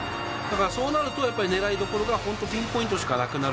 そうなると狙いどころがピンポイントしかなくなる。